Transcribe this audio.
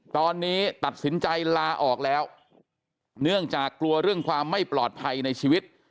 ตอนนี้ตัดสินใจลาออกแล้วเนื่องจากกลัวเรื่องความไม่ปลอดภัยในชีวิต